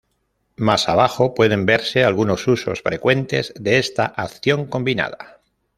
Más abajo pueden verse algunos usos frecuentes de esta acción combinada.